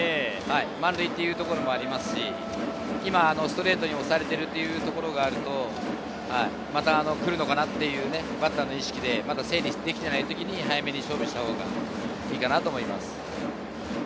満塁ということもありますし、ストレートで押されているということがありますので、また来るのかなというバッターの意識で整理していない時に早めに勝負したほうがいいと思います。